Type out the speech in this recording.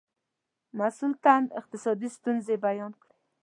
مسئول تن اقتصادي ستونزې بیان کړې.